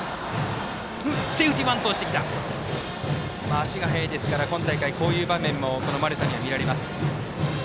足が速いですから今大会、こういう場面もこの丸田には見られます。